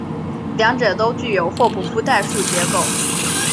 两者都具有霍普夫代数结构。